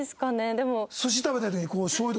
でも。